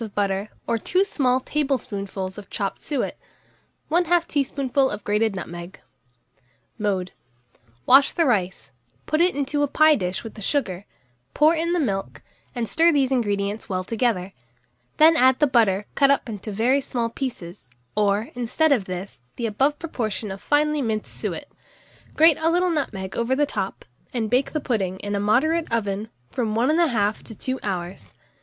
of butter or 2 small tablespoonfuls of chopped suet, 1/2 teaspoonful of grated nutmeg. Mode. Wash the rice, put it into a pie dish with the sugar, pour in the milk, and stir these ingredients well together; then add the butter cut up into very small pieces, or, instead of this, the above proportion of finely minced suet; grate a little nutmeg over the top, and bake the pudding, in a moderate oven, from 1 1/2 to 2 hours.